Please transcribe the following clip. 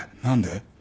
何で？